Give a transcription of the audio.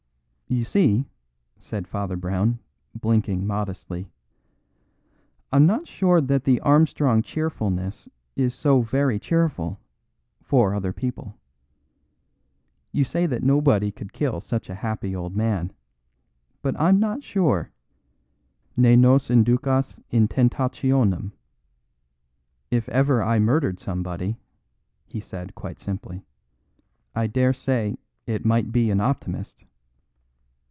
"You see," said Father Brown, blinking modestly, "I'm not sure that the Armstrong cheerfulness is so very cheerful for other people. You say that nobody could kill such a happy old man, but I'm not sure; ne nos inducas in tentationem. If ever I murdered somebody," he added quite simply, "I dare say it might be an Optimist."